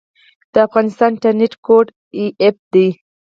د افغانستان انټرنیټ کوډ af دی